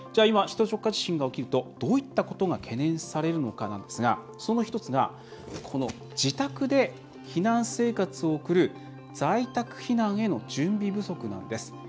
今、首都直下地震が起きるとどういったことが懸念されるのかなんですがその１つが自宅で避難生活を送る在宅避難への準備不足なんです。